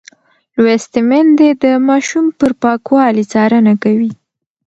لوستې میندې د ماشوم پر پاکوالي څارنه کوي.